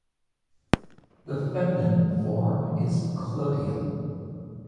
The feminine form is Clodia.